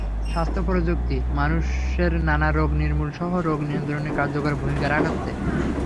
স্বাস্থ্য প্রযুক্তি মানুষের নানা রোগ নির্মূলসহ রোগ নিয়ন্ত্রণে কার্যকর ভূমিকা রাখাছে।